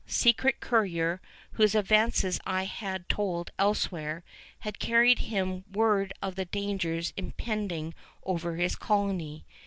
Secret coureur, whose adventures I have told elsewhere, had carried him word of the dangers impending over his colony.